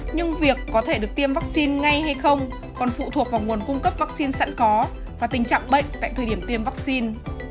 nhưng việc có thể được tiêm vắc xin ngay hay không còn phụ thuộc vào nguồn cung cấp vắc xin sẵn có và tình trạng bệnh tại thời điểm tiêm vắc xin